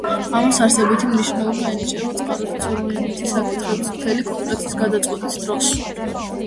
ამას არსებითი მნიშვნელობა ენიჭება წყაროთმცოდნეობითი საკითხების მთელი კომპლექსის გადაწყვეტის დროს.